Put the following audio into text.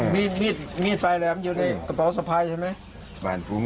มีดไฟแรมอยู่ในกระเป๋าสะไพรใช่ไหม